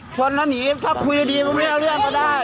ชนแล้วหนีถ้าคุยดีบ้างไม่ได้เอาเรื่องมาเลย